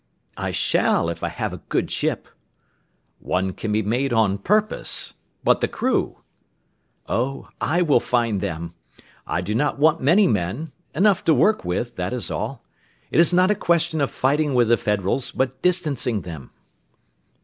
"I shall, if I have a good ship." "One can be made on purpose. But the crew?" "Oh, I will find them. I do not want many men; enough to work with, that is all. It is not a question of fighting with the Federals, but distancing them."